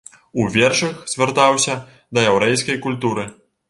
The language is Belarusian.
У вершах звяртаўся да яўрэйскай культуры.